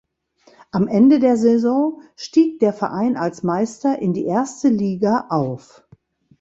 Am Ende der Saison stieg der Verein als Meister in die erste Liga auf.